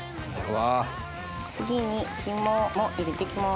次に肝も入れて行きます。